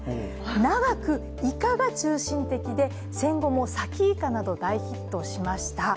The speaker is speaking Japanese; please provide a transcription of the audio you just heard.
長くいかが中心的で戦後も、さきいかなど大ヒットしました。